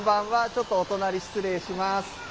ちょっとお隣失礼します。